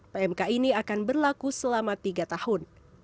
pmk ini akan berlaku selama tiga tahun